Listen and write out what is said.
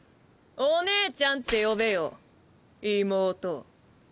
お姉ちゃんって呼べよ妹。